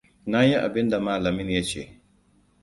Na yi abinda malamin ya ce.